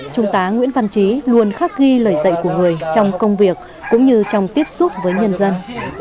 trung tá nguyễn văn trí luôn khắc ghi lời dạy của người trong công việc cũng như trong tiếp xúc với nhân dân